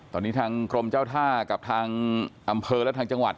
ตอนนี้ทางกรมเจ้าท่ากับทางอำเภอและทางจังหวัด